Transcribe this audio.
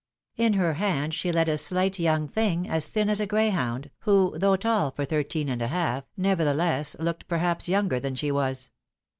105 In her hand she led a sKght young thing, as thin as a grey honnd, who, though tall for thirteen and a half, nevertheless looted perhaps younger than she was.